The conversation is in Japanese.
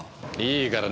いいから。